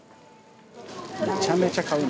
めちゃめちゃ買うな。